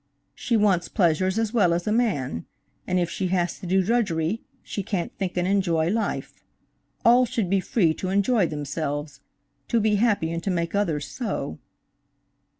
She wants pleasures as well as a man, and if she has to do drudgery, she can't think and enjoy life. All should be free to enjoy themselves; to be happy and to make others so."